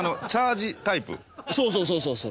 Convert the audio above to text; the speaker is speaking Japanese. そうそうそうそうそう。